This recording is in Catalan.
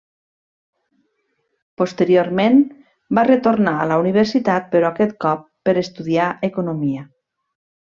Posteriorment va retornar a la universitat però aquest cop per estudiar economia.